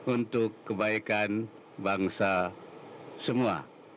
untuk kebaikan bangsa semua